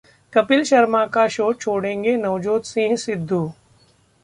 कपिल शर्मा का शो छोड़ेंगे नवजोत सिंह सिद्धू!